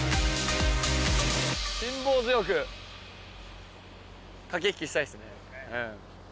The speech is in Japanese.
辛抱強く駆け引きしたいですね。